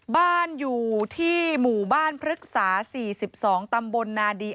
บ้านอยู่ที่หมู่บ้านพฤกษา๔๒ตำบลนาดี